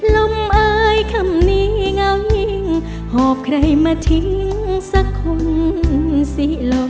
ลมอายคำนี้เงายิ่งหอบใครมาทิ้งสักคนสิลม